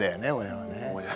親はね。